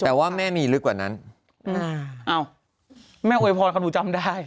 แต่ว่าแม่มีลึกกว่านั้นอ้าวแม่อวยพรเขาหนูจำได้